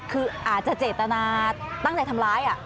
คืออาจจะเจตนาตั้งใจทำร้าย